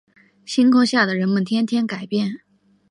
星空下的人们天天改变